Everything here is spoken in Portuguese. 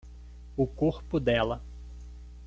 O corpo dela